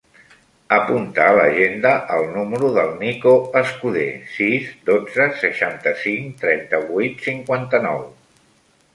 Apunta a l'agenda el número del Niko Escuder: sis, dotze, seixanta-cinc, trenta-vuit, cinquanta-nou.